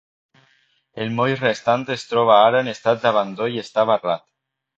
El moll restant es troba ara en estat d'abandó i està barrat.